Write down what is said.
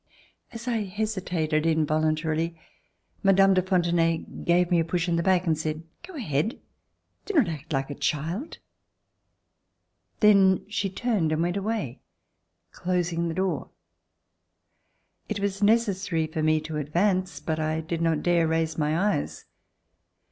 As I hesitated in voluntarily, Mme. de Fontenay gave me a push in the back, and said: "Go ahead! Do not act like a child." Then she turned and went away, closing the door. It was necessary for me to advance, but I did not dare to raise my eyes.